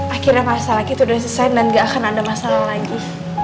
akhirnya masalah kita udah selesai dan gak akan ada masalah lagi